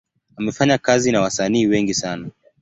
Amefanya kazi na wasanii wengi sana.